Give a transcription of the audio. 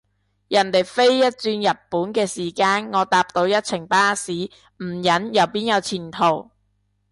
人哋飛一轉日本嘅時間，我搭到一程巴士，唔忍又邊有前途？